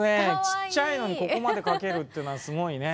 ちっちゃいのに、ここまで描けるっていうのは、すごいね。